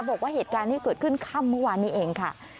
บอกว่าเหตุการณ์ที่เกิดขึ้นค่ำเมื่อวานนี้เองค่ะ